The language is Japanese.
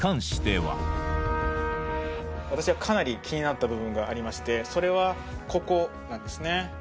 私がかなり気になった部分がありましてそれはここなんですね